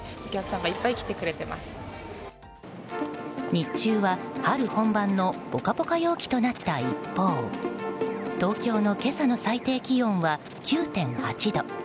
日中は春本番のポカポカ陽気となった一方東京の今朝の最低気温は９．８度。